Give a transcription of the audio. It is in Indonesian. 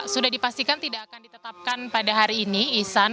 sudah dipastikan tidak akan ditetapkan pada hari ini isan